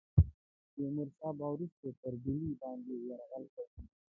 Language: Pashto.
تیمور شاه به وروسته پر ډهلي باندي یرغل کوي.